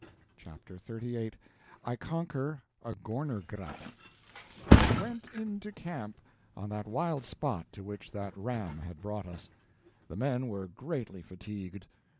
CHAPTER XXXVIII [I Conquer the Gorner Grat] We went into camp on that wild spot to which that ram had brought us. The men were greatly fatigued.